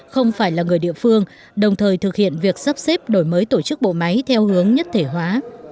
không phải là người địa phương đồng thời thực hiện việc sắp xếp đổi mới tổ chức bộ máy theo hướng nhất thể hóa